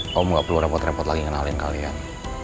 kamu gak perlu repot repot lagi kenalin kalian